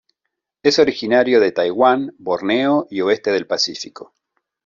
Es originario de Taiwán, Borneo y oeste del Pacífico.